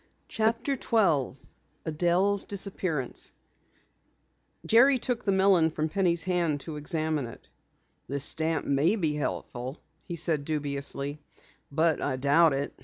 CHAPTER 12 ADELLE'S DISAPPEARANCE Jerry took the melon from Penny's hand to examine it. "This stamp may be helpful," he said dubiously, "but I doubt it.